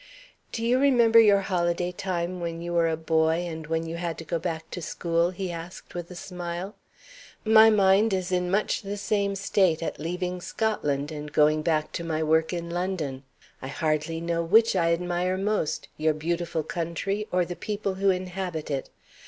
"Do you remember your holiday time when you were a boy, and when you had to go back to school?" he asked with a smile. "My mind is in much the same state at leaving Scotland, and going back to my work in London. I hardly know which I admire most your beautiful country or the people who inhabit it.